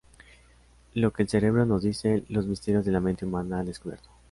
Lo que el cerebro nos dice: los misterios de la mente humana al descubierto.